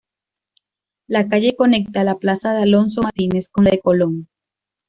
La calle conecta la plaza de Alonso Martínez con la de Colón.